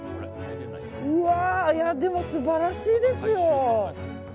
うわあ、でも素晴らしいですよ。